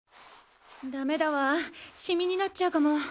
だめだわシミになっちゃうかも。